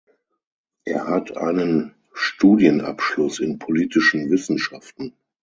Er hat einen Studienabschluss in Politischen Wissenschaften.